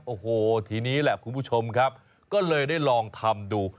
โอ้โหทีนี้แหละคุณผู้ชมครับก็เลยได้ลองทำดู